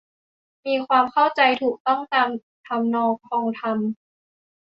มีความเข้าใจถูกต้องตามทำนองคลองธรรม